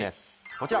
こちら。